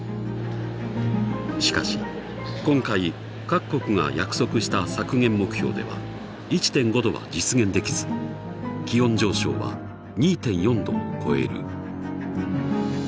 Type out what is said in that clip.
しかし今回各国が約束した削減目標では１．５℃は実現できず気温上昇は２．４℃を超える。